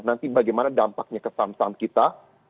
nanti bagaimana dampaknya ke samsung kita